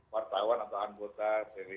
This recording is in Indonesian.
wartawan atau anggota cwi